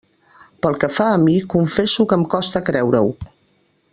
Pel que fa a mi, confesso que em costa creure-ho.